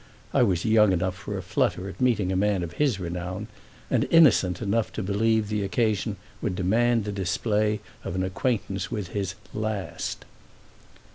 I was young enough for a flutter at meeting a man of his renown, and innocent enough to believe the occasion would demand the display of an acquaintance with his "last."